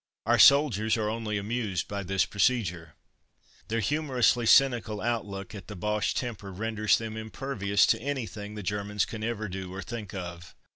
Our soldiers are only amused by this procedure. Their humorously cynical outlook at the Boche temper renders them impervious to anything the Germans can ever do or think of.